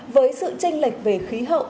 với sự tranh lệch về khí hậu